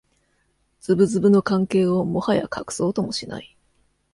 ズブズブの関係をもはや隠そうともしない